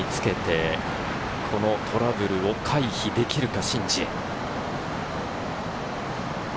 この風を味方につけて、このトラブルを回避できるか？